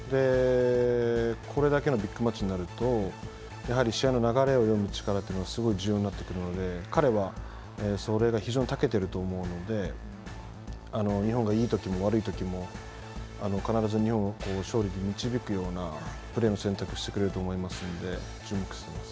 これだけのビッグマッチになるとやはり試合の流れを読む力がすごい重要になってくるので彼はそれが非常にたけてると思うので日本がいい時も悪い時も必ず日本を勝利に導くようなプレーを選択してくれると思いますので注目しています。